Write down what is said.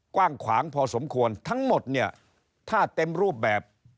กว้างขวางพอสมควรทั้งหมดเนี่ยถ้าเต็มรูปแบบ